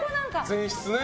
前室ね。